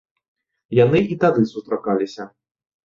Яны і тады сустракаліся.